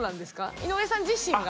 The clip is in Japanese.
井上さん自身が。